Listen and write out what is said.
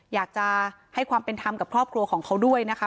อยากจะให้ความเป็นธรรมกับครอบครัวของเขาด้วยนะคะ